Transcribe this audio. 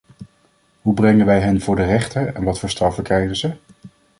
Hoe brengen wij hen voor de rechter en wat voor straffen krijgen ze?